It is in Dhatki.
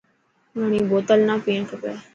گهڻي بوتل نا پئڻ کپي.